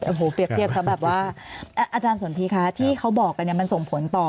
โอ้โหเพียบครับแบบว่าอาจารย์สนทีคะที่เขาบอกมันส่งผลต่อ